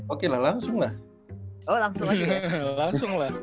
oke lah langsung lah